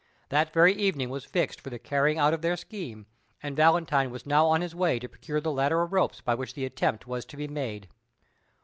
That very evening was fixed for the carrying out of their scheme, and Valentine was now on his way to procure the ladder of ropes by which the attempt was to be made.